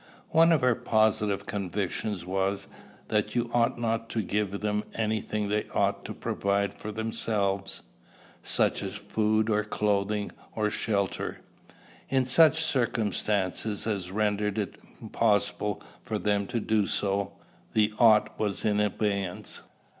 One of her positive convictions was, that you ought not to give them any thing they ought to provide for themselves, such as food or clothing or shelter. In such circumstances as rendered it impossible for them to do so, the ought was in abeyance.